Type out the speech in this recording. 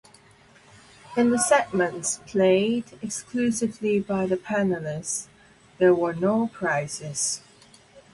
In the segments played exclusively by the panelists, there were no prizes.